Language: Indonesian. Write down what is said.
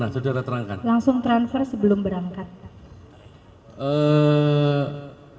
langsung transfer sebelum berangkat